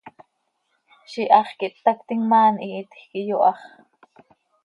Ziix iháx quih httactim ma, an hihitj quih yoháx.